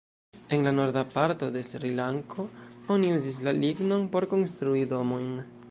En la Norda parto de Srilanko oni uzis la lignon por konstrui domojn.